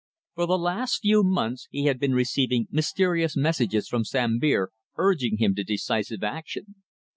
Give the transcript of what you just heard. For the last few months he had been receiving mysterious messages from Sambir urging him to decisive action.